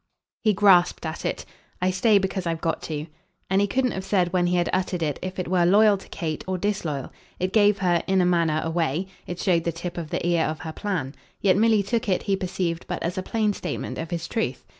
He grasped at it. "I stay because I've got to." And he couldn't have said when he had uttered it if it were loyal to Kate or disloyal. It gave her, in a manner, away; it showed the tip of the ear of her plan. Yet Milly took it, he perceived, but as a plain statement of his truth.